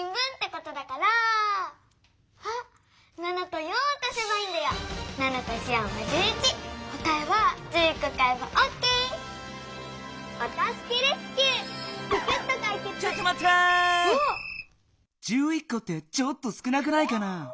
こってちょっと少なくないかな？